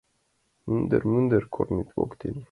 Мӱндыр, мӱндыр корнет воктен